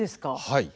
はい。